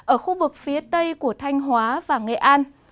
ở khu vực phía tây của thanh hóa và nghệ an